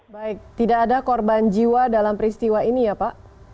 baik tidak ada korban jiwa dalam peristiwa ini ya pak